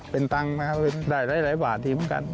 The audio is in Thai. เป็นตังค์นะครับได้หลายบาทได้มากัน